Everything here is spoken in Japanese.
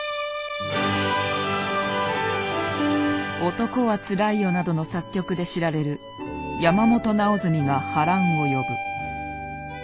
「男はつらいよ」などの作曲で知られる山本直純が波乱を呼ぶ。